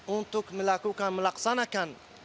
untuk melakukan melaksanakan